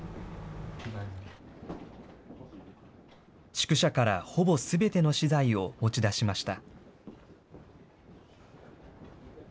宿舎からほぼすべての資材を持ち出しました。